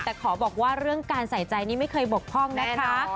แต่ขอบอกว่าเรื่องการใส่ใจนี่ไม่เคยบกพ่องนะคะ